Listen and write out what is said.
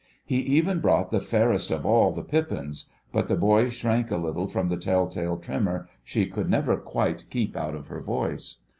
He even brought the Fairest of All the Pippins, but the boy shrank a little from the tell tale tremor she could never quite keep out of her voice.